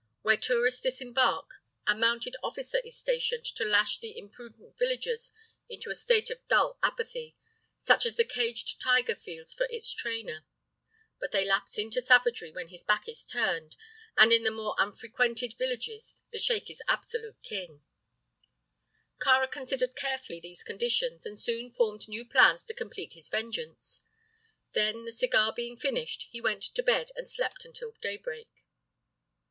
Where tourists disembark, a mounted officer is stationed to lash the impudent villagers into a state of dull apathy, such as the caged tiger feels for its trainer; but they lapse into savagery when his back is turned, and in the more unfrequented villages the sheik is absolute king. Kāra considered carefully these conditions, and soon formed new plans to complete his vengeance. Then, the cigar being finished, he went to bed and slept until daybreak.